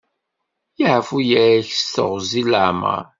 Yeɛfu-yak s teɣwzi n leɛmeṛ.